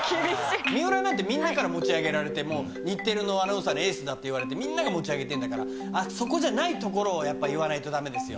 水卜なんてみんなから持ち上げられて、もう日テレのアナウンサーのエースだって言われて、みんなが持ち上げているんだから、あっ、そこじゃないところをやっぱり言わないとだめですよ。